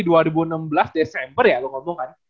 desember ya lu ngomong kan